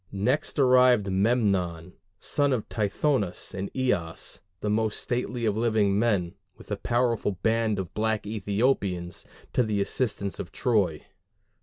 Next arrived Memnon, son of Tithonus and Eos, the most stately of living men, with a powerful band of black Ethiopians, to the assistance of Troy.